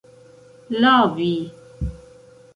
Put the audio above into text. lavi